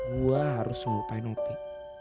gua harus ngelupain opie